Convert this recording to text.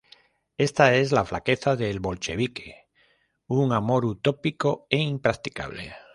Ésta es la flaqueza del bolchevique: un amor utópico, e impracticable.